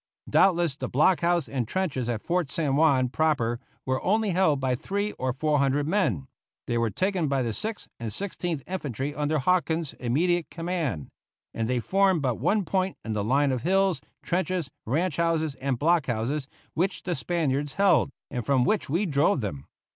Doubtless the block house and trenches at Fort San Juan proper were only held by three or four hundred men; they were taken by the Sixth and Sixteenth Infantry under Hawkins's immediate command; and they formed but one point in the line of hills, trenches, ranch houses, and block houses which the Spaniards held, and from which we drove them.